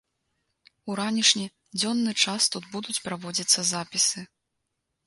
У ранішні, дзённы час тут будуць праводзіцца запісы.